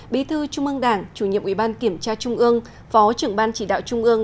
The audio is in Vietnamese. bí thư trung ương đảng chủ nhiệm ủy ban kiểm tra trung ương phó trưởng ban chỉ đạo trung ương